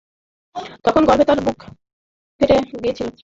তখন গর্বে তার বুক ফুলে গিয়েছিল।